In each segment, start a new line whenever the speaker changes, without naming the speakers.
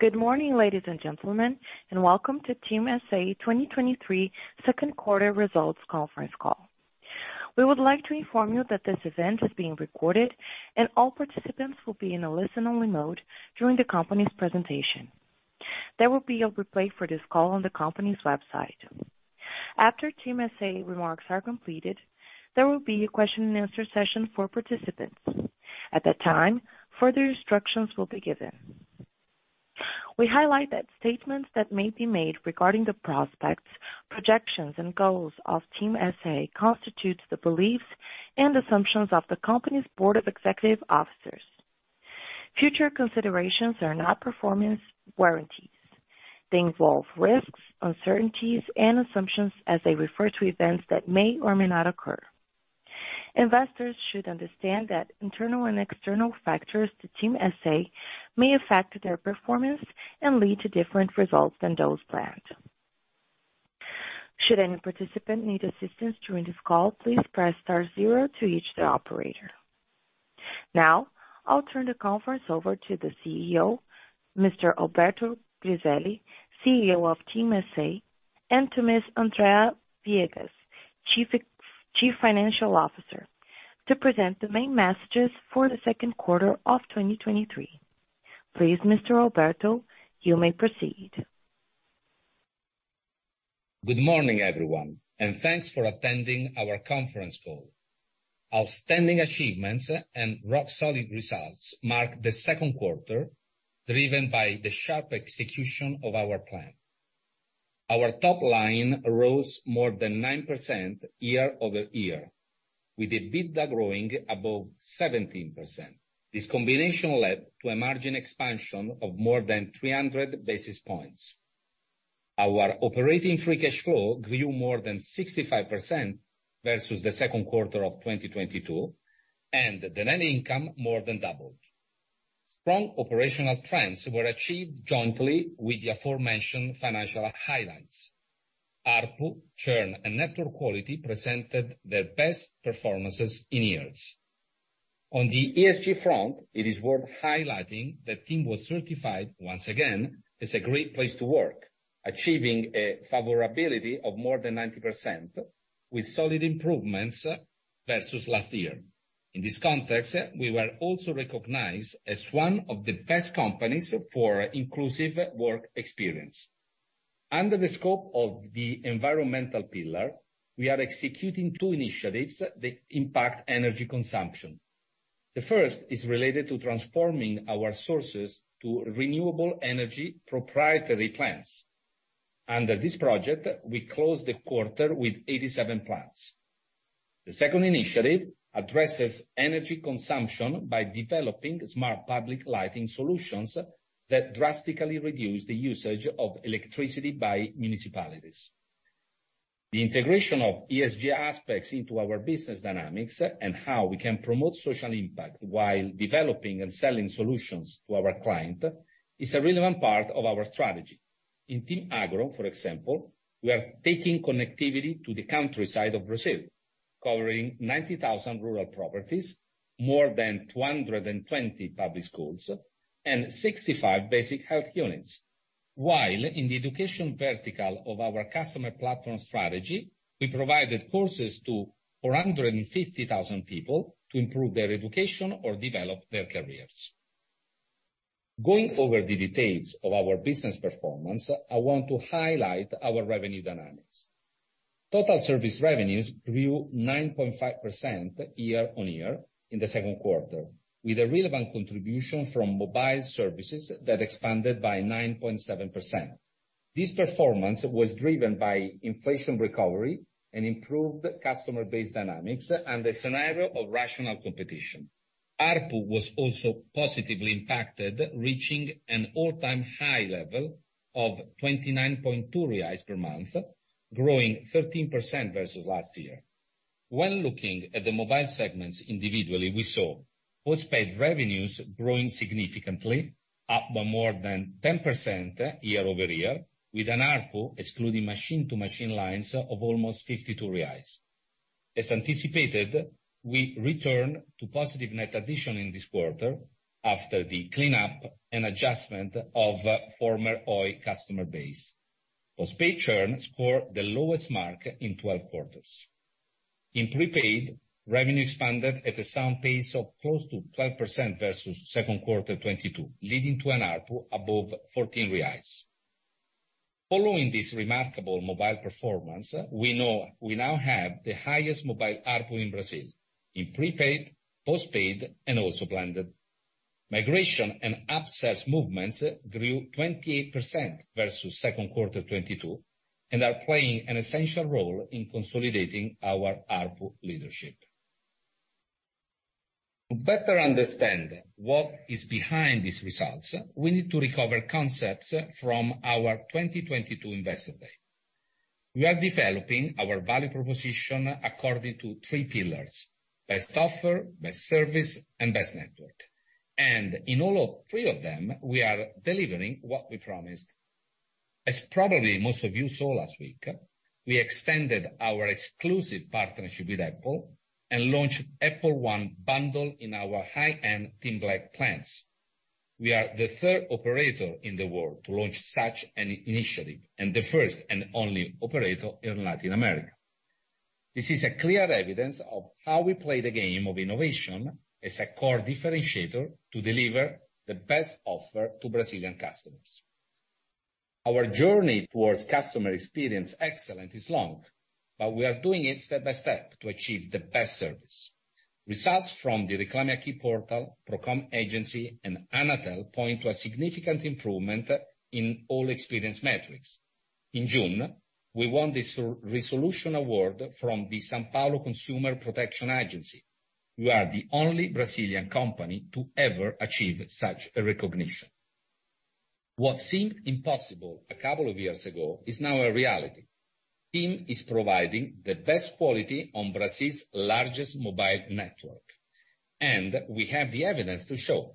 Good morning, ladies and gentlemen, and welcome to TIM S.A. 2023 second quarter results conference call. We would like to inform you that this event is being recorded, and all participants will be in a listen-only mode during the company's presentation. There will be a replay for this call on the company's website. After TIM S.A. remarks are completed, there will be a question and answer session for participants. At that time, further instructions will be given. We highlight that statements that may be made regarding the prospects, projections, and goals of TIM S.A. constitutes the beliefs and assumptions of the company's board of executive officers. Future considerations are not performance warranties. They involve risks, uncertainties, and assumptions as they refer to events that may or may not occur. Investors should understand that internal and external factors to TIM S.A. may affect their performance and lead to different results than those planned. Should any participant need assistance during this call, please press star 0 to reach the operator. Now, I'll turn the conference over to the CEO, Mr. Alberto Griselli, CEO of TIM S.A., and to Ms. Andrea Viegas, Chief Financial Officer, to present the main messages for the second quarter of 2023. Please, Mr. Alberto, you may proceed.
Good morning, everyone, thanks for attending our conference call. Outstanding achievements and rock-solid results mark the second quarter, driven by the sharp execution of our plan. Our top line rose more than 9% year-over-year, with EBITDA growing above 17%. This combination led to a margin expansion of more than 300 basis points. Our operating free cash flow grew more than 65% versus the second quarter of 2022, the net income more than doubled. Strong operational trends were achieved jointly with the aforementioned financial highlights. ARPU, churn, and network quality presented their best performances in years. On the ESG front, it is worth highlighting that TIM was certified once again as a Great Place to Work, achieving a favorability of more than 90%, with solid improvements versus last year. In this context, we were also recognized as one of the best companies for inclusive work experience. Under the scope of the environmental pillar, we are executing two initiatives that impact energy consumption. The first is related to transforming our sources to renewable energy proprietary plants. Under this project, we closed the quarter with 87 plants. The second initiative addresses energy consumption by developing smart public lighting solutions that drastically reduce the usage of electricity by municipalities. The integration of ESG aspects into our business dynamics and how we can promote social impact while developing and selling solutions to our client, is a relevant part of our strategy. In TIM Agro, for example, we are taking connectivity to the countryside of Brazil, covering 90,000 rural properties, more than 220 public schools, and 65 basic health units. While in the education vertical of our customer platform strategy, we provided courses to 450,000 people to improve their education or develop their careers. Going over the details of our business performance, I want to highlight our revenue dynamics. Total service revenues grew 9.5% year-over-year in the second quarter, with a relevant contribution from mobile services that expanded by 9.7%. This performance was driven by inflation recovery and improved customer base dynamics and the scenario of rational competition. ARPU was also positively impacted, reaching an all-time high level of 29.2 reais per month, growing 13% versus last year. When looking at the mobile segments individually, we saw postpaid revenues growing significantly, up by more than 10% year-over-year, with an ARPU excluding machine-to-machine lines of almost 52 reais. As anticipated, we returned to positive net addition in this quarter after the cleanup and adjustment of former Oi customer base. Postpaid churn scored the lowest mark in 12 quarters. In prepaid, revenue expanded at a sound pace of close to 12% versus second quarter 2022, leading to an ARPU above 14 reais. Following this remarkable mobile performance, we now have the highest mobile ARPU in Brazil, in prepaid, postpaid, and also blended. Migration and upsells movements grew 28% versus second quarter 2022, and are playing an essential role in consolidating our ARPU leadership. To better understand what is behind these results, we need to recover concepts from our 2022 Investor Day. We are developing our value proposition according to three pillars: best offer, best service, and best network. In all of three of them, we are delivering what we promised. As probably most of you saw last week, we extended our exclusive partnership with Apple and launched Apple One bundle in our high-end TIM Black plans. We are the third operator in the world to launch such an initiative, and the first and only operator in Latin America. This is a clear evidence of how we play the game of innovation as a core differentiator to deliver the best offer to Brazilian customers. Our journey towards customer experience excellence is long, but we are doing it step by step to achieve the best service. Results from the Reclame Aqui portal, Procon agency, and Anatel point to a significant improvement in all experience metrics. In June, we won the Selo de Resolução award from the São Paulo Consumer Protection Agency. We are the only Brazilian company to ever achieve such a recognition. What seemed impossible 2 years ago is now a reality. TIM is providing the best quality on Brazil's largest mobile network. We have the evidence to show.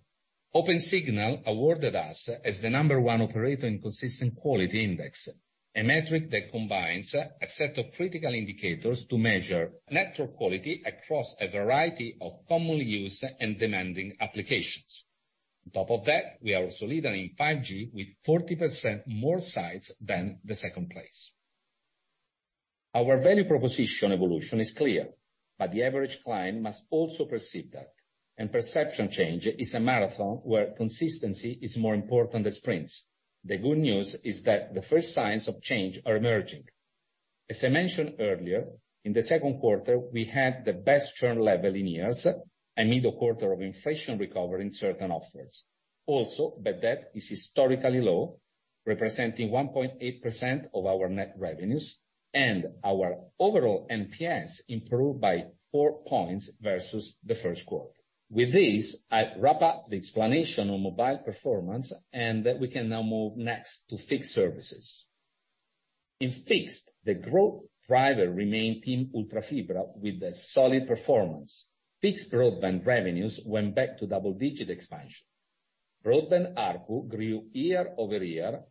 Opensignal awarded us as the number one operator in Consistent Quality index, a metric that combines a set of critical indicators to measure network quality across a variety of commonly used and demanding applications. On top of that, we are also leading in 5G with 40% more sites than the second place. Our value proposition evolution is clear. The average client must also perceive that. Perception change is a marathon where consistency is more important than sprints. The good news is that the first signs of change are emerging. As I mentioned earlier, in the second quarter, we had the best churn level in years, amid a quarter of inflation recovery in certain offers. The debt is historically low, representing 1.8% of our net revenues, and our overall NPS improved by 4 points versus the first quarter. With this, I wrap up the explanation on mobile performance, and we can now move next to fixed services. In fixed, the growth driver remained TIM Ultrafibra, with a solid performance. Fixed broadband revenues went back to double-digit expansion. Broadband ARPU grew year-over-year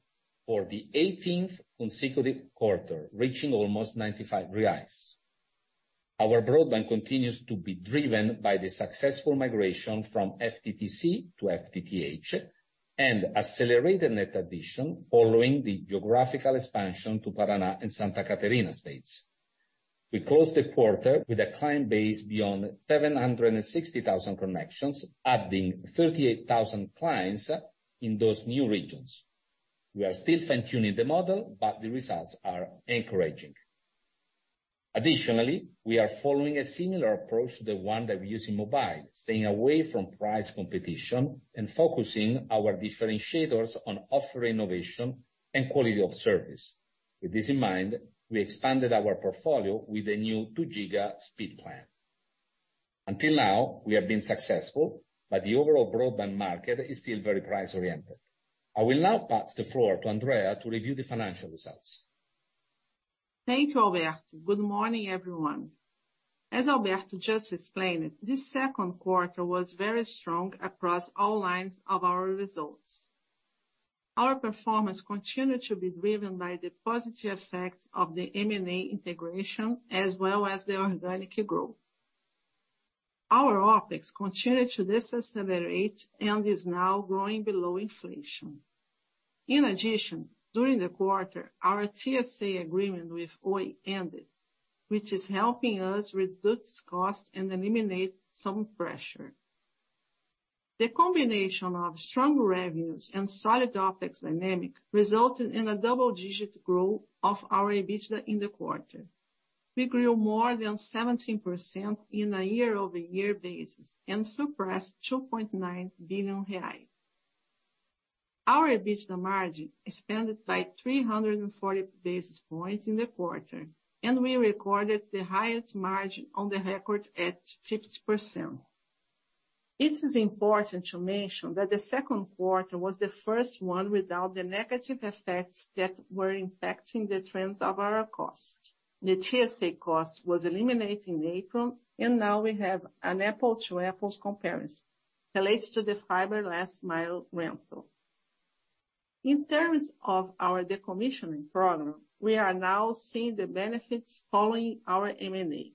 for the 18th consecutive quarter, reaching almost 95 reais. Our broadband continues to be driven by the successful migration from FTTC to FTTH, and accelerated net addition following the geographical expansion to Paraná and Santa Catarina states. We closed the quarter with a client base beyond 760,000 connections, adding 38,000 clients in those new regions. We are still fine-tuning the model, but the results are encouraging. Additionally, we are following a similar approach to the one that we use in mobile, staying away from price competition and focusing our differentiators on offer innovation and quality of service. With this in mind, we expanded our portfolio with a new 2 giga speed plan. Until now, we have been successful. The overall broadband market is still very price oriented. I will now pass the floor to Andrea to review the financial results.
Thank you, Alberto. Good morning, everyone. As Alberto just explained, this second quarter was very strong across all lines of our results. Our performance continued to be driven by the positive effects of the M&A integration, as well as the organic growth. Our OpEx continued to decelerate and is now growing below inflation. In addition, during the quarter, our TSA agreement with Oi ended, which is helping us reduce cost and eliminate some pressure. The combination of strong revenues and solid OpEx dynamic resulted in a double-digit growth of our EBITDA in the quarter. We grew more than 17% in a year-over-year basis and surpassed R$2.9 billion. Our EBITDA margin expanded by 340 basis points in the quarter, and we recorded the highest margin on the record at 50%. It is important to mention that the second quarter was the first one without the negative effects that were impacting the trends of our cost. The TSA cost was eliminated in April. Now we have an apples-to-apples comparison related to the fiber last mile rental. In terms of our decommissioning program, we are now seeing the benefits following our M&A.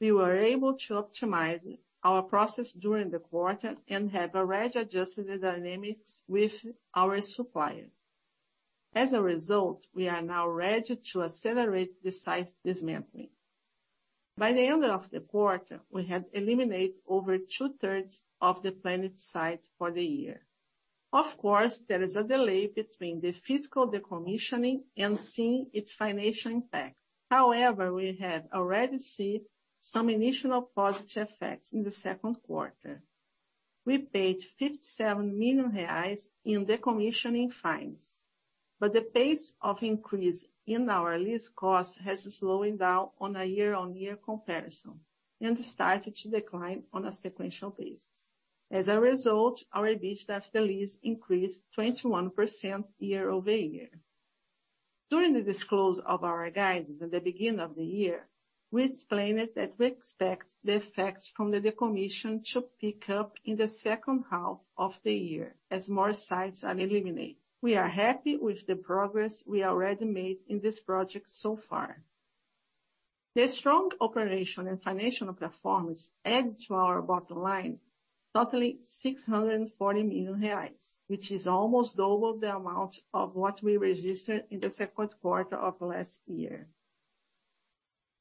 We were able to optimize our process during the quarter and have already adjusted the dynamics with our suppliers. As a result, we are now ready to accelerate the site dismantling. By the end of the quarter, we had eliminated over two-thirds of the planned sites for the year. Of course, there is a delay between the physical decommissioning and seeing its financial impact. However, we have already seen some initial positive effects in the second quarter. We paid 57 million reais in decommissioning fines, but the pace of increase in our lease cost has slowing down on a year-on-year comparison and started to decline on a sequential basis. As a result, our EBITDA after lease increased 21% year-over-year. During the disclose of our guidance at the beginning of the year, we explained that we expect the effects from the decommission to pick up in the second half of the year, as more sites are eliminated. We are happy with the progress we already made in this project so far. The strong operational and financial performance added to our bottom line, totally 640 million reais, which is almost double the amount of what we registered in the second quarter of last year.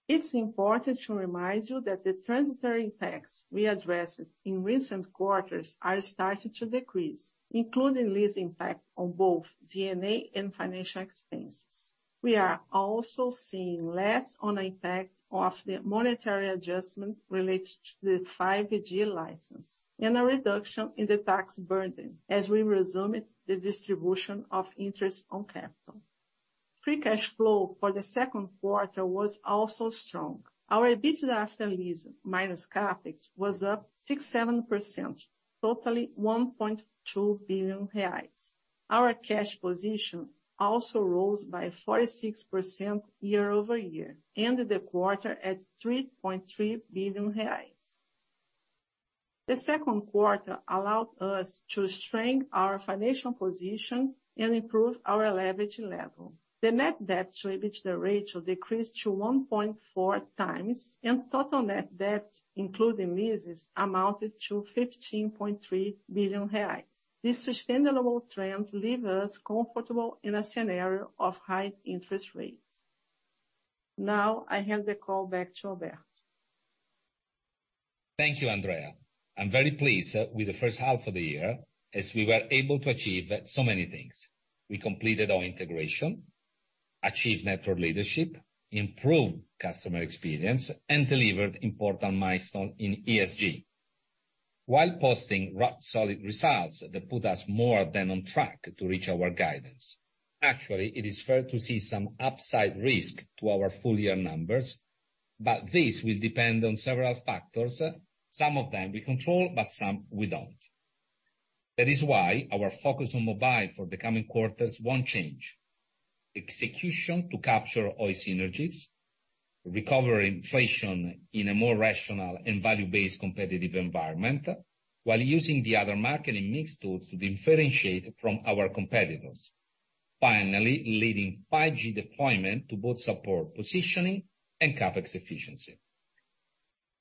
It's important to remind you that the transitory impacts we addressed in recent quarters are starting to decrease, including lease impact on both D&A and financial expenses. We are also seeing less on impact of the monetary adjustment related to the 5G license, and a reduction in the tax burden as we resumed the distribution of interest on capital. Free cash flow for the second quarter was also strong. Our EBITDA after lease, minus CapEx, was up 67%, totally 1.2 billion reais. Our cash position also rose by 46% year-over-year, ended the quarter at 3.3 billion reais. The second quarter allowed us to strengthen our financial position and improve our leverage level. The net debt to EBITDA ratio decreased to 1.4 times, and total net debt, including leases, amounted to 15.3 billion reais. This sustainable trend leave us comfortable in a scenario of high interest rates. I hand the call back to Alberto.
Thank you, Andrea. I'm very pleased with the first half of the year, as we were able to achieve so many things. We completed our integration, achieved network leadership, improved customer experience, and delivered important milestone in ESG, while posting rock-solid results that put us more than on track to reach our guidance. It is fair to see some upside risk to our full year numbers, but this will depend on several factors, some of them we control, but some we don't. That is why our focus on mobile for the coming quarters won't change. Execution to capture all synergies, recover inflation in a more rational and value-based competitive environment, while using the other marketing mix tools to differentiate from our competitors. Leading 5G deployment to both support positioning and CapEx efficiency.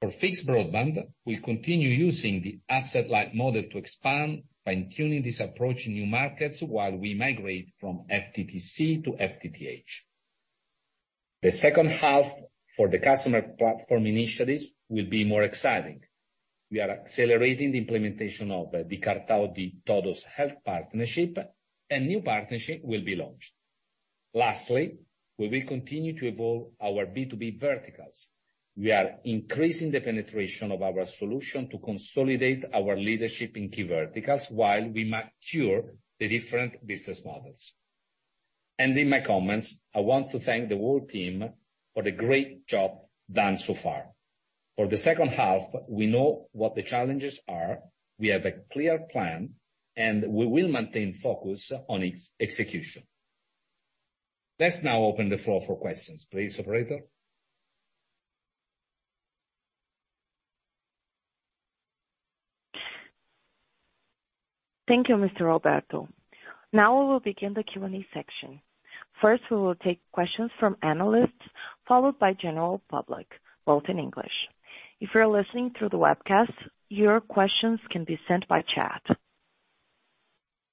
For fixed broadband, we'll continue using the asset-light model to expand by tuning this approach in new markets while we migrate from FTTC to FTTH. The second half for the customer platform initiatives will be more exciting. We are accelerating the implementation of the Cartão de Todos health partnership, and new partnership will be launched. Lastly, we will continue to evolve our B2B verticals. We are increasing the penetration of our solution to consolidate our leadership in key verticals, while we mature the different business models. Ending my comments, I want to thank the whole team for the great job done so far. For the second half, we know what the challenges are, we have a clear plan, and we will maintain focus on its execution. Let's now open the floor for questions. Please, operator?
Thank you, Mr. Alberto. Now we will begin the Q&A section. First, we will take questions from analysts, followed by general public, both in English. If you're listening through the webcast, your questions can be sent by chat.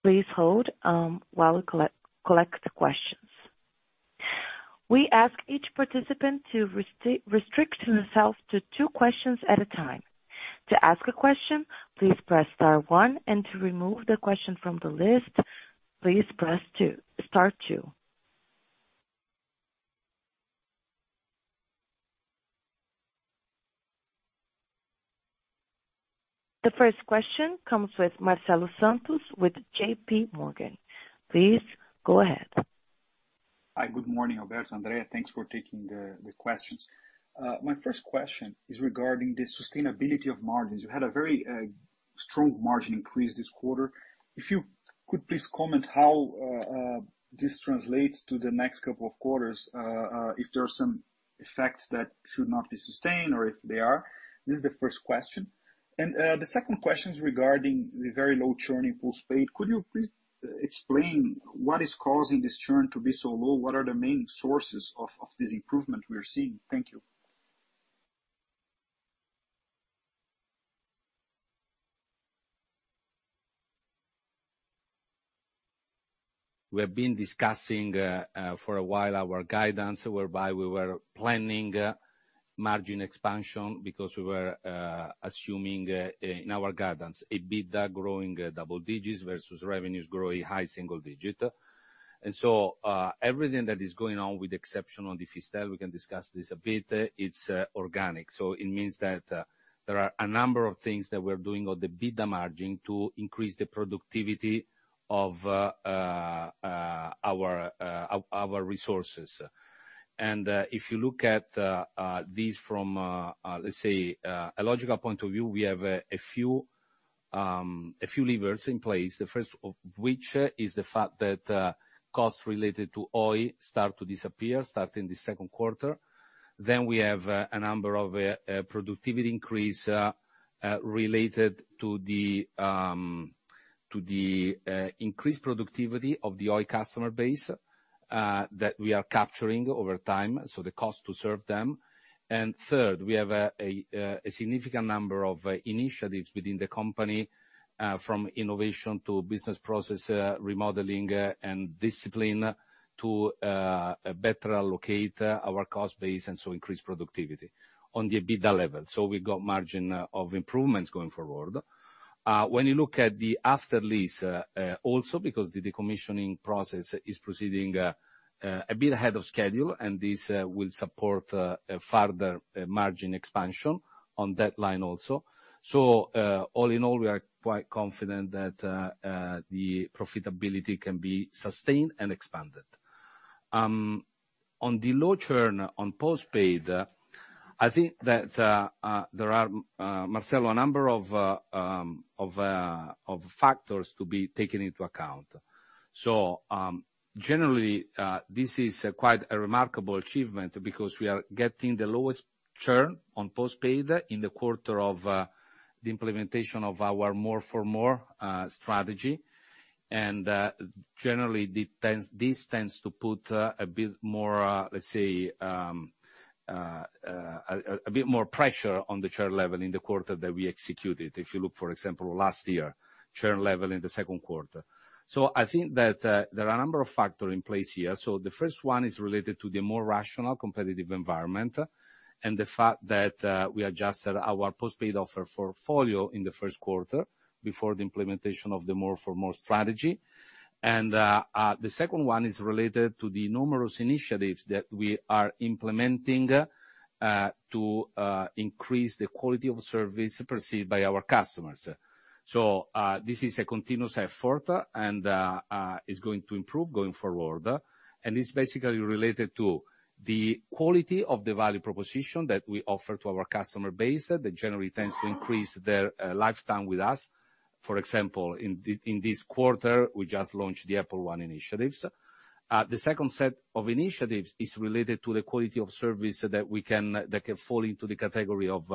Please hold while we collect the questions. We ask each participant to restrict themselves to two questions at a time. To ask a question, please press star one, and to remove the question from the list, please press star two. The first question comes with Marcelo Santos, with JPMorgan. Please, go ahead.
Hi, good morning, Roberto, Andrea, thanks for taking the, the questions. My first question is regarding the sustainability of margins. You had a very strong margin increase this quarter. If you could please comment how this translates to the next couple of quarters, if there are some effects that should not be sustained or if they are? This is the first question. The second question is regarding the very low churn in postpaid. Could you please explain what is causing this churn to be so low? What are the main sources of this improvement we are seeing? Thank you.
We have been discussing for a while our guidance, whereby we were planning margin expansion, because we were assuming in our guidance, EBITDA growing double digits versus revenues growing high single digit. Everything that is going on with exceptional Difal, we can discuss this a bit, it's organic. It means that there are a number of things that we're doing on the EBITDA margin to increase the productivity of our our our resources. If you look at these from let's say a logical point of view, we have a few levers in place, the first of which is the fact that costs related to Oi start to disappear starting the second quarter. We have a number of a productivity increase related to the increased productivity of the Oi customer base that we are capturing over time, so the cost to serve them. Third, we have a a significant number of initiatives within the company from innovation to business process remodeling and discipline to better allocate our cost base and so increase productivity on the EBITDA level. We've got margin of improvements going forward. When you look at the after lease, also because the decommissioning process is proceeding a bit ahead of schedule, and this will support a further margin expansion on that line also. All in all, we are quite confident that the profitability can be sustained and expanded. On the low churn on postpaid, I think that there are, Marcelo, a number of factors to be taken into account. Generally, this is quite a remarkable achievement because we are getting the lowest churn on postpaid in the quarter of the implementation of our more for more strategy. Generally, this tends to put a bit more, let's say, a bit more pressure on the churn level in the quarter that we executed. If you look, for example, last year, churn level in the second quarter. I think that there are a number of factors in place here. The first one is related to the more rational, competitive environment, and the fact that we adjusted our postpaid offer portfolio in the first quarter before the implementation of the more for more strategy. The second one is related to the numerous initiatives that we are implementing to increase the quality of service perceived by our customers. This is a continuous effort and is going to improve going forward. It's basically related to the quality of the value proposition that we offer to our customer base, that generally tends to increase their lifetime with us. For example, in this quarter, we just launched the Apple One initiatives. The second set of initiatives is related to the quality of service that we that can fall into the category of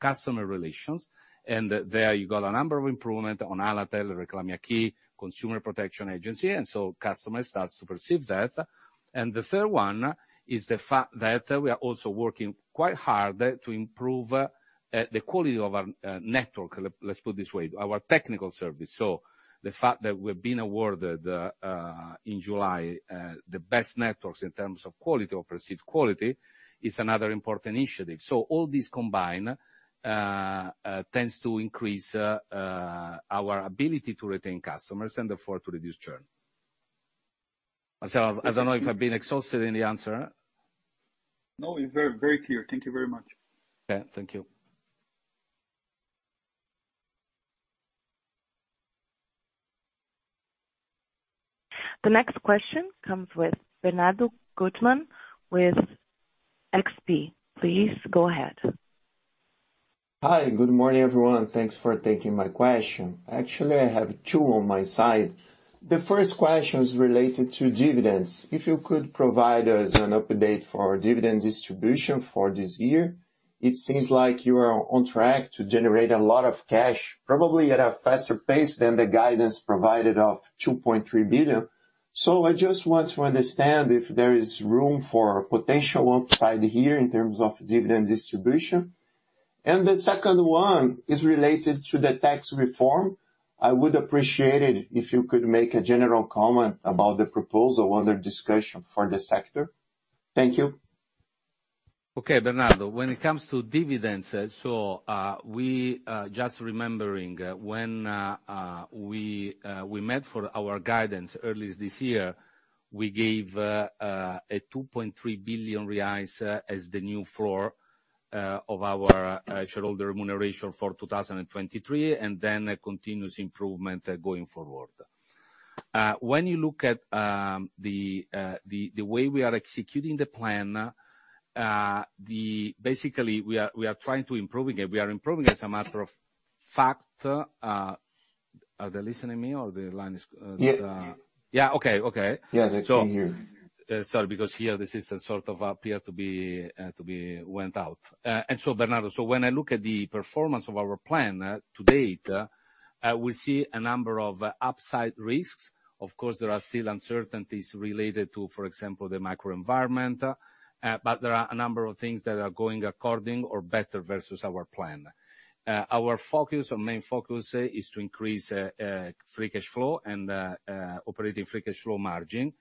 customer relations. There, you got a number of improvement on Anatel, Reclame Aqui, Procon, and so customers starts to perceive that. The third one is the fact that we are also working quite hard to improve the quality of our network. Let, let's put it this way, our technical service. The fact that we've been awarded in July the best networks in terms of quality, of perceived quality, is another important initiative. All these combined tends to increase our ability to retain customers and therefore to reduce churn. Marcelo, I don't know if I've been exhausted in the answer?
No, it's very, very clear. Thank you very much.
Yeah, thank you.
The next question comes with Bernardo Guttmann with XP. Please go ahead.
Hi, good morning, everyone. Thanks for taking my question. Actually, I have 2 on my side. The first question is related to dividends. If you could provide us an update for our dividend distribution for this year? It seems like you are on track to generate a lot of cash, probably at a faster pace than the guidance provided of $2.3 billion. I just want to understand if there is room for potential upside here in terms of dividend distribution. The second one is related to the tax reform. I would appreciate it if you could make a general comment about the proposal under discussion for the sector. Thank you.
Bernardo, when it comes to dividends, we, just remembering, when we met for our guidance earliest this year, we gave a R$2.3 billion as the new floor of our shareholder remuneration for 2023, and then a continuous improvement going forward. When you look at the way we are executing the plan, basically, we are trying to improving it. We are improving as a matter of fact, are they listening to me or the line is-
Yeah.
Yeah, okay, okay.
Yes, I can hear you.
Sorry, because here this is sort of appear to be to be went out. Bernardo, when I look at the performance of our plan to date, we see a number of upside risks. Of course, there are still uncertainties related to, for example, the microenvironment, but there are a number of things that are going according or better versus our plan. Our focus, our main focus, is to increase free cash flow and operating free cash flow margin.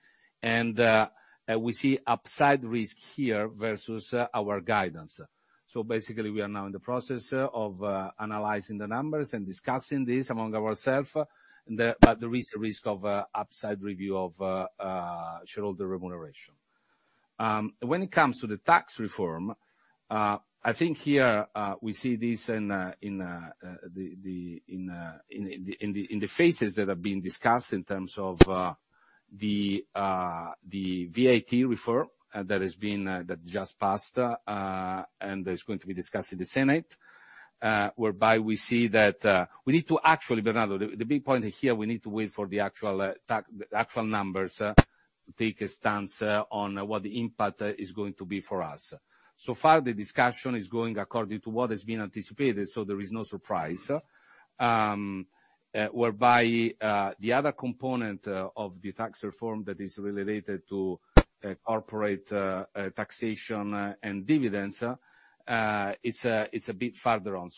We see upside risk here versus our guidance. Basically, we are now in the process of analyzing the numbers and discussing this among ourselves, but there is a risk of upside review of shareholder remuneration. When it comes to the tax reform, I think here, we see this in, in, the, the, in, in the, in the phases that are being discussed in terms of the VAT reform that has been, that just passed, and is going to be discussed in the Senate, whereby we see that, we need to actually, Bernardo, the, the big point here, we need to wait for the actual, the actual numbers, to take a stance, on what the impact, is going to be for us. So far, the discussion is going according to what has been anticipated, so there is no surprise. Whereby the other component of the tax reform that is related to corporate taxation and dividends, it's a bit farther on.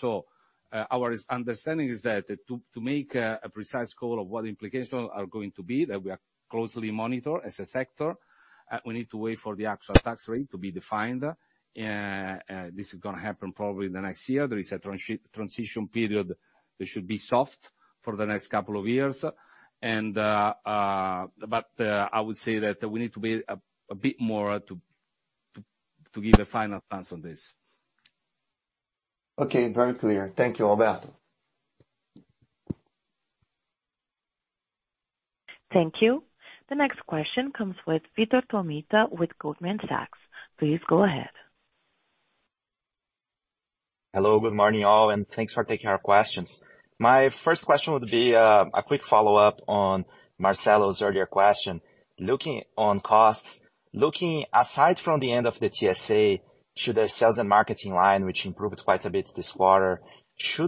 Our understanding is that to make a precise call of what the implications are going to be, that we are closely monitor as a sector, we need to wait for the actual tax rate to be defined. This is gonna happen probably the next year. There is a transition period that should be soft for the next couple of years. I would say that we need to be a bit more to give a final stance on this.
Okay, very clear. Thank you, Alberto.
Thank you. The next question comes with Vitor Tomita with Goldman Sachs. Please go ahead.
Hello, good morning, all, and thanks for taking our questions. My first question would be a quick follow-up on Marcelo's earlier question. Looking on costs, looking aside from the end of the TSA, to the sales and marketing line, which improved quite a bit this quarter. I know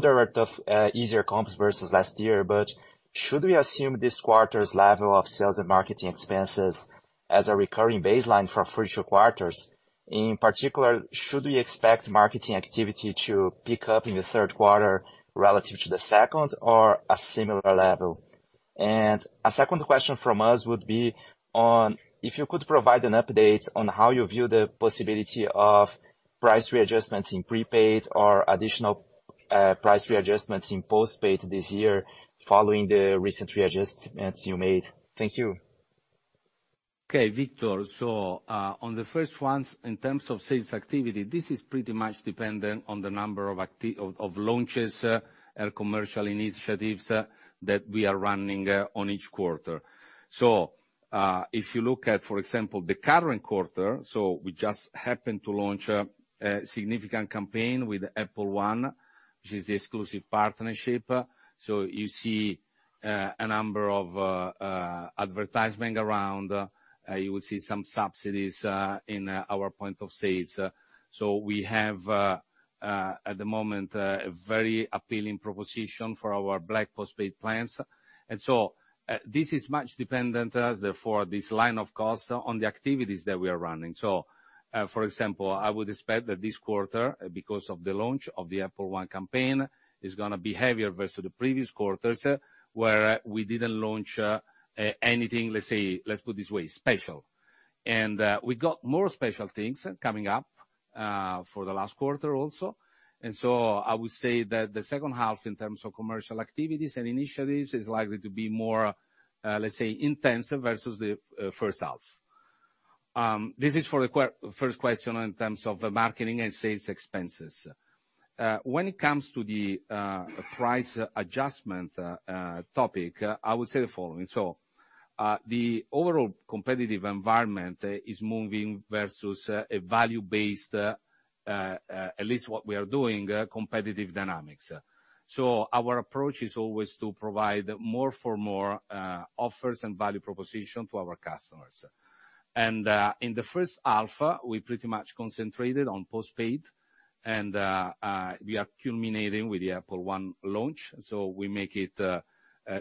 there were tough, easier comps versus last year, but should we assume this quarter's level of sales and marketing expenses as a recurring baseline for future quarters? In particular, should we expect marketing activity to pick up in the third quarter relative to the second, or a similar level? A second question from us would be on if you could provide an update on how you view the possibility of price readjustments in prepaid or additional price readjustments in postpaid this year, following the recent readjustments you made. Thank you.
Okay, Victor. On the first ones, in terms of sales activity, this is pretty much dependent on the number of launches and commercial initiatives that we are running on each quarter. If you look at, for example, the current quarter, we just happened to launch a significant campaign with Apple One, which is the exclusive partnership. You see a number of advertisement around. You will see some subsidies in our point of sales. We have at the moment a very appealing proposition for our black postpaid plans. This is much dependent, therefore, this line of costs on the activities that we are running. For example, I would expect that this quarter, because of the launch of the Apple One campaign is gonna be heavier versus the previous quarters, where we didn't launch anything, let's say, let's put this way, special. We got more special things coming up for the last quarter also. So I would say that the second half, in terms of commercial activities and initiatives, is likely to be more, let's say, intensive versus the first half. This is for the first question in terms of the marketing and sales expenses. When it comes to the price adjustment topic, I would say the following: The overall competitive environment is moving versus a value-based, at least what we are doing, competitive dynamics. Our approach is always to provide more for more offers and value proposition to our customers. In the first half, we pretty much concentrated on postpaid, and we are culminating with the Apple One launch, so we make it,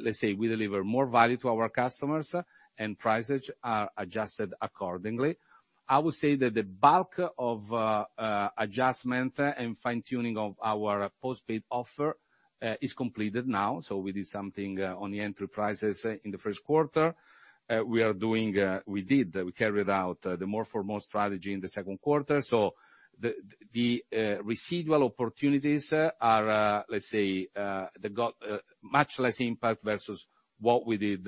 let's say we deliver more value to our customers, and prices are adjusted accordingly. I would say that the bulk of adjustment and fine-tuning of our postpaid offer is completed now. We did something on the enterprises in the first quarter. We are doing, we did, we carried out the more for more strategy in the second quarter, the residual opportunities are, let's say, they've got much less impact versus what we did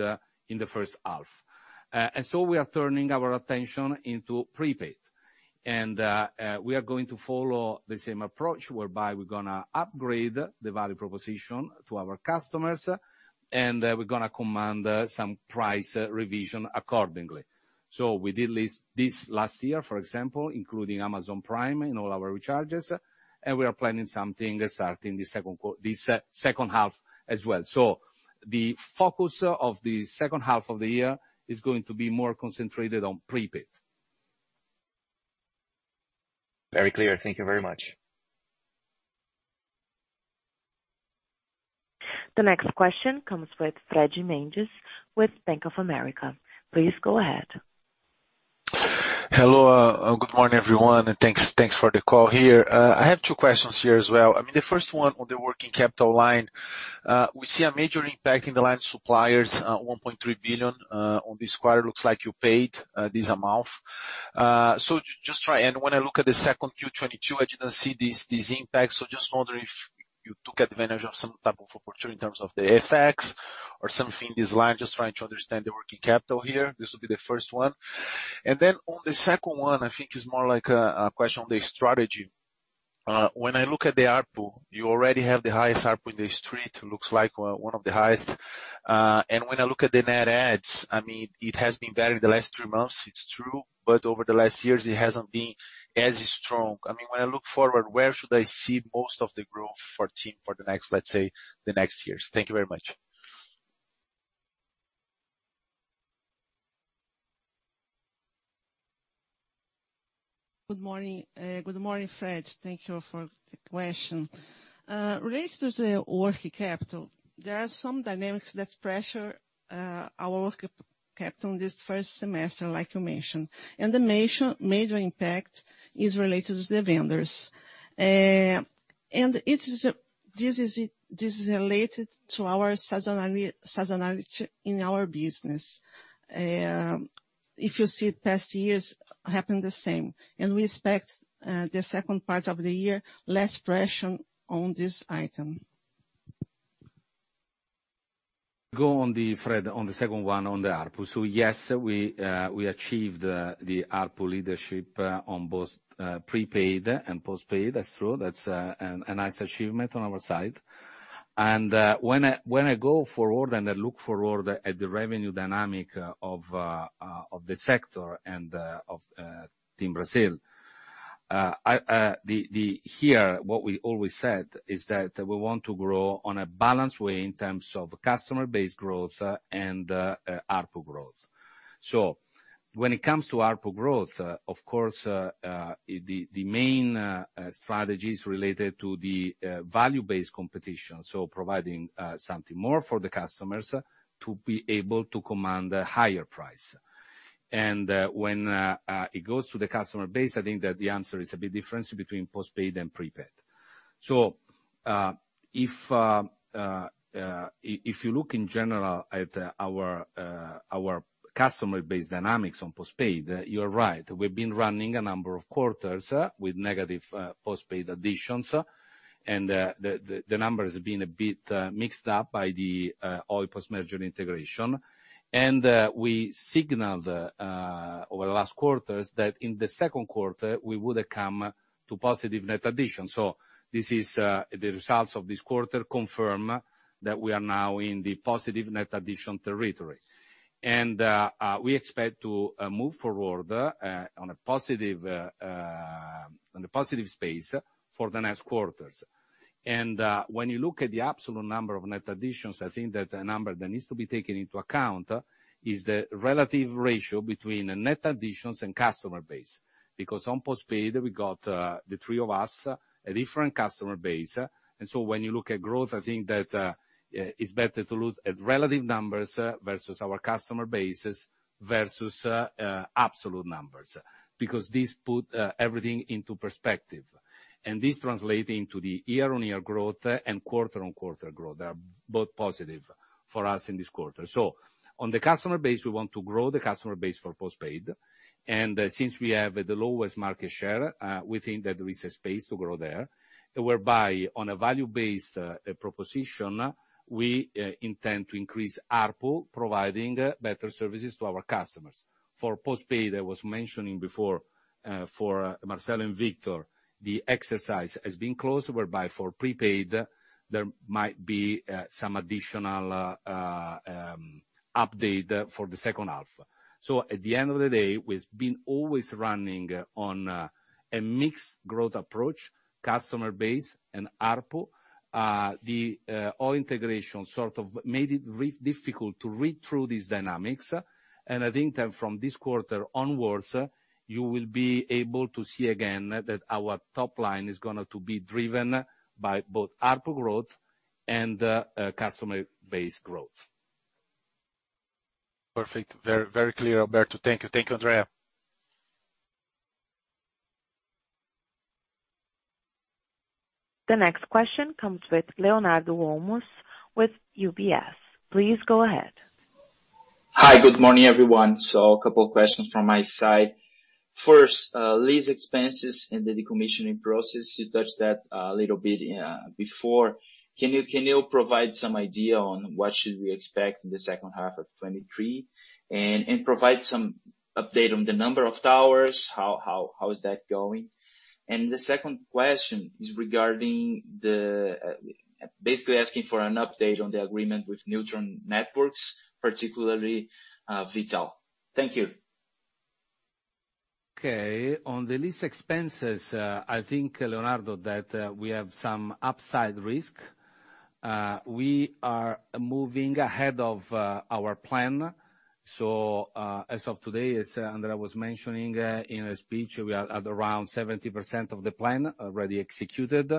in the first half. And so we are turning our attention into prepaid, and we are going to follow the same approach, whereby we're gonna upgrade the value proposition to our customers, and we're gonna command some price revision accordingly. We did this, this last year, for example, including Amazon Prime in all our recharges, and we are planning something starting this second half as well. The focus of the second half of the year is going to be more concentrated on prepaid.
Very clear. Thank you very much.
The next question comes with Fred Mendes with Bank of America. Please go ahead.
Hello, good morning, everyone, and thanks, thanks for the call here. I have two questions here as well. I mean, the first one on the working capital line. We see a major impact in the line of suppliers, 1.3 billion on this quarter. Looks like you paid this amount. So, when I look at 2Q22, I didn't see this, this impact, so just wondering if you took advantage of some type of opportunity in terms of the FX or something in this line? Just trying to understand the working capital here. This will be the first one. Then on the second one, I think is more like a, a question on the strategy... When I look at the ARPU, you already have the highest ARPU in the street, looks like, one of the highest. When I look at the net adds, I mean, it has been better in the last three months, it's true, but over the last years it hasn't been as strong. I mean, when I look forward, where should I see most of the growth for TIM for the next, let's say, the next years? Thank you very much.
Good morning. Good morning, Fred. Thank you for the question. Related to the working capital, there are some dynamics that pressure our working capital this first semester, like you mentioned. The major, major impact is related to the vendors. It is, this is related to our seasonality, seasonality in our business. If you see it, past years happened the same, and we expect the second part of the year, less pressure on this item.
Go on the, Fred, on the second one, on the ARPU. Yes, we achieved the ARPU leadership on both prepaid and postpaid. That's true, that's a nice achievement on our side. When I, when I go forward and I look forward at the revenue dynamic of the sector and of TIM Brasil, I, here, what we always said is that we want to grow on a balanced way in terms of customer base growth and ARPU growth. When it comes to ARPU growth, of course, the main strategy is related to the value-based competition, so providing something more for the customers to be able to command a higher price. When it goes to the customer base, I think that the answer is a bit different between postpaid and prepaid. If you look in general at our customer base dynamics on postpaid, you are right. We've been running a number of quarters with negative postpaid additions, and the number has been a bit mixed up by the Oi post-merger integration. We signaled over the last quarters, that in the second quarter we would come to positive net additions. This is the results of this quarter confirm that we are now in the positive net addition territory. We expect to move forward on a positive on a positive space for the next quarters. When you look at the absolute number of net additions, I think that a number that needs to be taken into account is the relative ratio between the net additions and customer base. Because on postpaid, we got, the 3 of us, a different customer base. When you look at growth, I think that it's better to look at relative numbers versus our customer bases versus absolute numbers, because this put everything into perspective, and this translate into the year-on-year growth and quarter-on-quarter growth. They are both positive for us in this quarter. On the customer base, we want to grow the customer base for postpaid, since we have the lowest market share, we think that there is a space to grow there. Whereby, on a value-based proposition, we intend to increase ARPU, providing better services to our customers. For postpaid, I was mentioning before, for Marcel and Victor, the exercise has been closed, whereby for prepaid, there might be some additional update for the second half. At the end of the day, we've been always running on a mixed growth approach, customer base and ARPU. The all integration sort of made it re- difficult to read through these dynamics, and I think that from this quarter onwards, you will be able to see again that our top line is gonna to be driven by both ARPU growth and customer base growth.
Perfect. Very, very clear, Alberto. Thank you. Thank you, Andrea.
The next question comes with Leonardo Olmos with UBS. Please go ahead.
Hi, good morning, everyone. A couple of questions from my side. First, lease expenses and the decommissioning process, you touched that a little bit before. Can you, can you provide some idea on what should we expect in the second half of 2023? And provide some update on the number of towers, how, how, how is that going? The second question is regarding the... Basically asking for an update on the agreement with neutral network, particularly, V.tal. Thank you.
Okay. On the lease expenses, I think, Leonardo, that we have some upside risk. We are moving ahead of our plan, so as of today, as Andrea was mentioning in her speech, we are at around 70% of the plan already executed.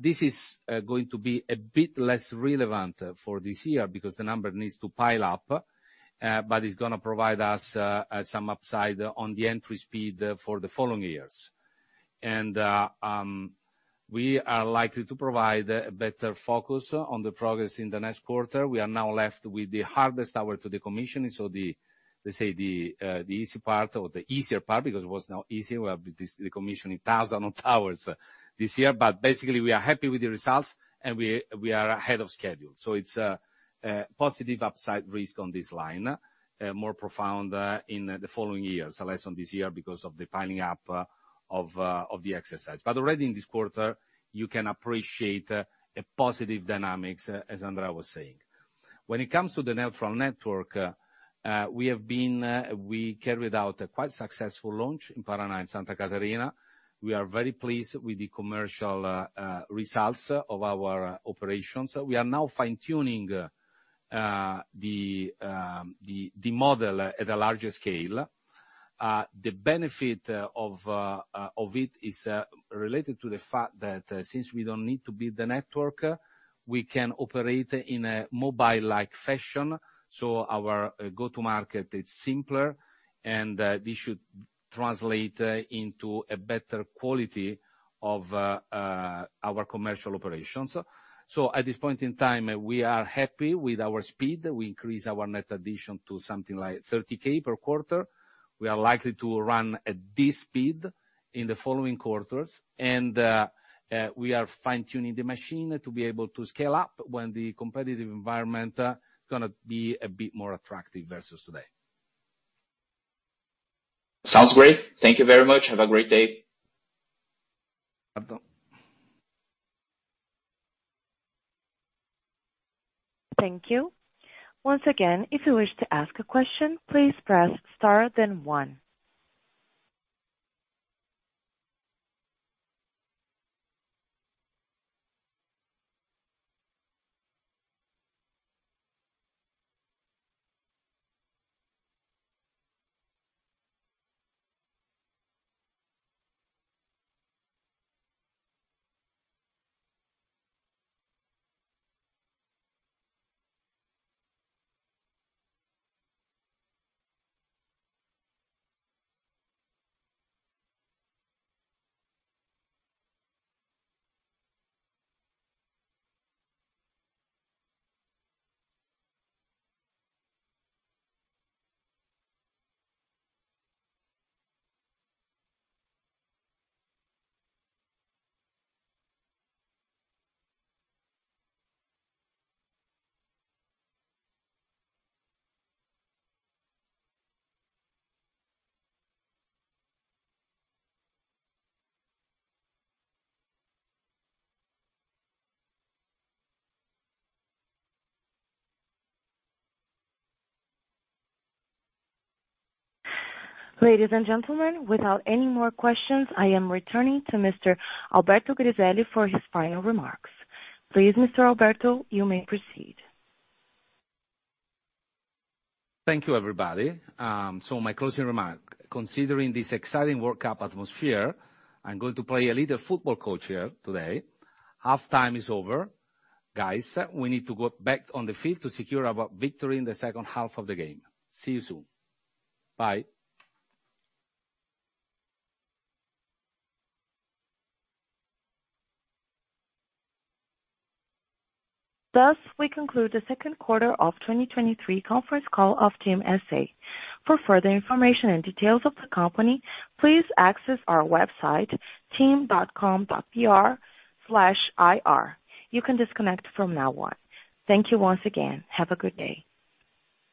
This is going to be a bit less relevant for this year, because the number needs to pile up, but it's gonna provide us some upside on the entry speed for the following years. We are likely to provide a better focus on the progress in the next quarter. We are now left with the hardest tower to decommission, so the, let's say, the easy part or the easier part, because it was not easy. We have this decommissioning 1,000 of towers this year. Basically, we are happy with the results, and we, we are ahead of schedule. It's positive upside risk on this line, more profound in the following years, less on this year because of the piling up of the exercise. Already in this quarter, you can appreciate a positive dynamics, as Andrea was saying. When it comes to the neutral network, we have been, we carried out a quite successful launch in Paraná and Santa Catarina. We are very pleased with the commercial results of our operations. We are now fine-tuning the, the model at a larger scale. The benefit of it is related to the fact that since we don't need to build the network, we can operate in a mobile-like fashion, so our go-to-market is simpler, and this should translate into a better quality of our commercial operations. At this point in time, we are happy with our speed. We increased our net addition to something like 30K per quarter. We are likely to run at this speed in the following quarters, and we are fine-tuning the machine to be able to scale up when the competitive environment gonna be a bit more attractive versus today.
Sounds great. Thank you very much. Have a great day.
Alberto?
Thank you. Once again, if you wish to ask a question, please press star then 1. Ladies and gentlemen, without any more questions, I am returning to Mr. Alberto Griselli for his final remarks. Please, Mr. Alberto, you may proceed.
Thank you, everybody. My closing remark, considering this exciting World Cup atmosphere, I'm going to play a little football coach here today. Half time is over. Guys, we need to go back on the field to secure our victory in the second half of the game. See you soon. Bye.
Thus, we conclude the second quarter of 2023 conference call of TIM S.A. For further information and details of the company, please access our website, tim.com.br/ir. You can disconnect from now on. Thank you once again. Have a good day.